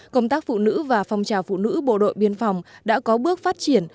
công tác phụ nữ và phong trào phụ nữ bộ đội biên phòng đã có bước phát triển